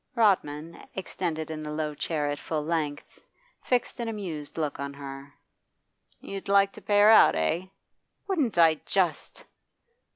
Rodman, extended in the low chair at full length, fixed an amused look on her. 'You'd like to pay her out, eh?' 'Wouldn't I just!